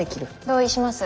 同意します。